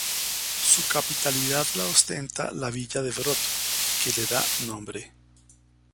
Su capitalidad la ostenta la villa de Broto, que le da nombre.